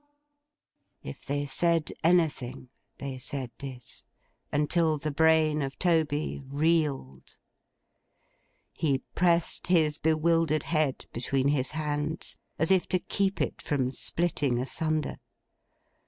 If they said anything they said this, until the brain of Toby reeled. He pressed his bewildered head between his hands, as if to keep it from splitting asunder.